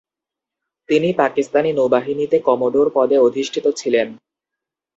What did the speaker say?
তিনি পাকিস্তান নৌবাহিনীতে কমোডোর পদে অধিষ্ঠিত ছিলেন।